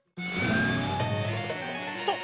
そう。